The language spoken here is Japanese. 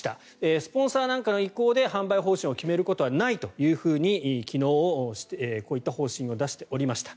スポンサーなんかの意向で販売方針を決めることはないというふうに昨日こういった方針を出しておりました。